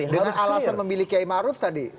dengan alasan memilih kiai maruf tadi